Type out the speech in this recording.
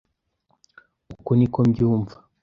Uku niko mbyumva .